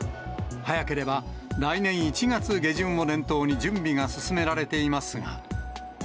早ければ来年１月下旬を念頭に準備が進められていますが。